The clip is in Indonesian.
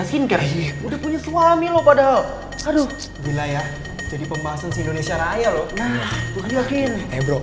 skin care udah punya suami lo padahal aduh gila ya jadi pembahasan indonesia raya loh